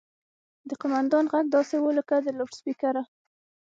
د قوماندان غږ داسې و لکه له لوډسپيکره.